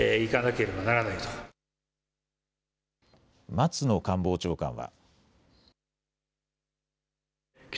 松野官房長官は。